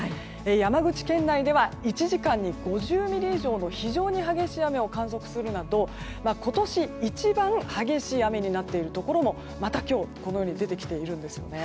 山口県内では１時間に５０ミリ以上の非常に激しい雨を観測するなど今年一番激しい雨になっているところも今日このように出てきているんです。